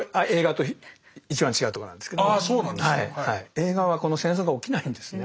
映画はこの戦争が起きないんですね。